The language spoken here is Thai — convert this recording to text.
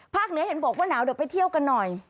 เหนือเห็นบอกว่าหนาวเดี๋ยวไปเที่ยวกันหน่อย